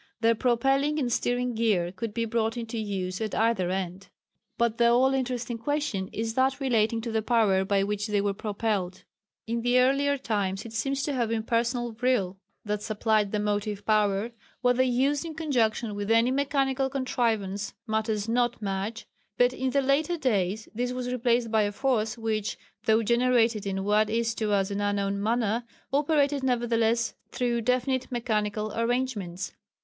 Their propelling and steering gear could be brought into use at either end. But the all interesting question is that relating to the power by which they were propelled. In the earlier times it seems to have been personal vril that supplied the motive power whether used in conjunction with any mechanical contrivance matters not much but in the later days this was replaced by a force which, though generated in what is to us an unknown manner, operated nevertheless through definite mechanical arrangements.